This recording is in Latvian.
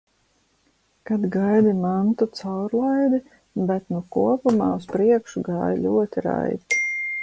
Kad gaidi mantu caurlaidi, bet nu kopumā uz priekšu gāja ļoti raiti.